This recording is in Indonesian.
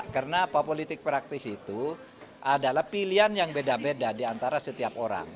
karena politik praktis itu adalah pilihan yang beda beda di antara setiap orang